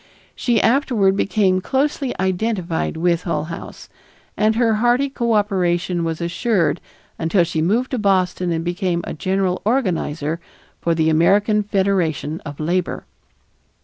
She afterward became closely identified with Hull House, and her hearty cooperation was assured until she moved to Boston and became a general organizer for the American Federation of Labor.